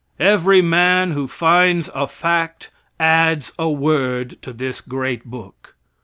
Every man who finds a fact adds a word to this great book.